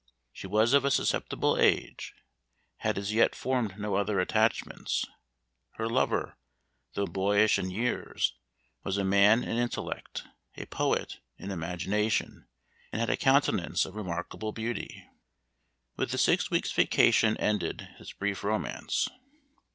She was of a susceptible age; had as yet formed no other attachments; her lover, though boyish in years, was a man in intellect, a poet in imagination, and had a countenance of remarkable beauty. With the six weeks' vacation ended this brief romance.